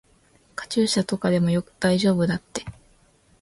カチューシャとかでも大丈夫だって。